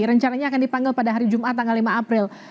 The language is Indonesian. rencananya akan dipanggil pada hari jumat tanggal lima april